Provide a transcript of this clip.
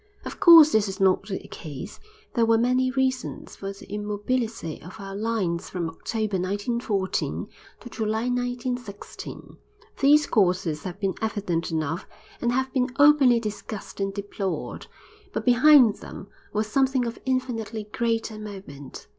Of course this is not the case, there were many reasons for the immobility of our lines from October 1914 to July 1916. These causes have been evident enough and have been openly discussed and deplored. But behind them was something of infinitely greater moment.